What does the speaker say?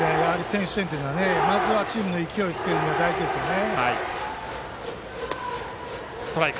先取点というのはまずチームの勢いをつけるには大事ですね。